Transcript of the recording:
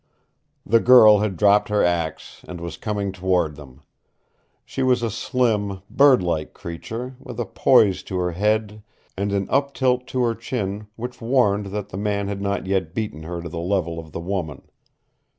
The girl had dropped her axe, and was coming toward them. She was a slim, bird like creature, with a poise to her head and an up tilt to her chin which warned that the man had not yet beaten her to the level of the woman.